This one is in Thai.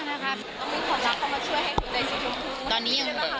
คนร้อนมันก็ต้องมีบ้างนะคะ